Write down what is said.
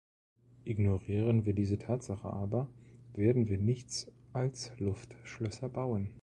Ignorieren wir diese Tatsache aber, werden wir nichts als Luftschlösser bauen.